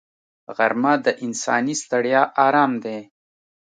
غرمه د انساني ستړیا آرام دی